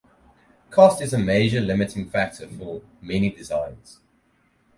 Cost is a major limiting factor for many designs.